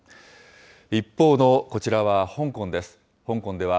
一方のこちらは香港です。